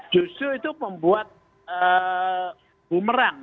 justru itu membuat bumerang